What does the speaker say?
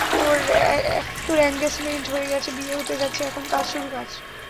তোর এঙ্গেছমেন্ট হয়ে গেছে, বিয়ে হতে যাচ্ছে, এখন কাজ, শুধু কাজ।